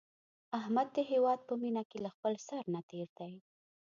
احمد د هیواد په مینه کې له خپل سر نه تېر دی.